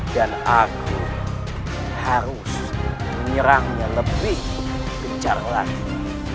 dan aku harus menyerangnya lebih kejar lagi